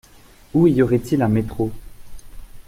Où y aurait-il un métro ?